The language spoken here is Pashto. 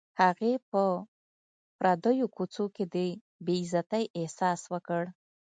هغې په پردیو کوڅو کې د بې عزتۍ احساس وکړ